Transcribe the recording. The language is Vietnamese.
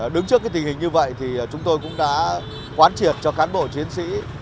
đứng trước tình hình như vậy thì chúng tôi cũng đã quán triệt cho cán bộ chiến sĩ